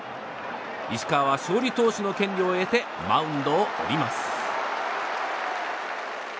石川は勝利投手の権利を得てマウンドを降ります。